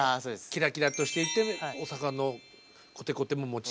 キラキラとしていて大阪のコテコテも持ちつつ。